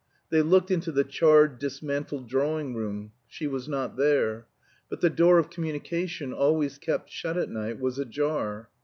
They looked into the charred, dismantled drawing room, she was not there; but the door of communication, always kept shut at night, was ajar.